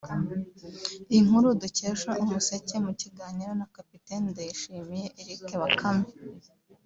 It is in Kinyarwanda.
Inkuru dukesha Umuseke mu kiganiro na kapiteni Ndayishimiye Eric Bakame